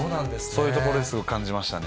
そういうところですごく感じましたね。